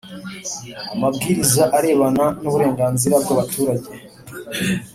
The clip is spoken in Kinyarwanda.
Amabwiriza arebana n’uburenganzira bw’abaturage